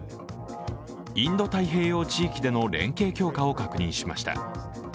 インド太平洋地域での連携強化を確認しました。